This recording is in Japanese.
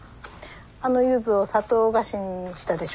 あのユズを砂糖菓子にしたでしょ？